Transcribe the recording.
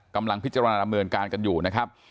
กำลังพิจารณาดำเนินการกันอยู่นะครับ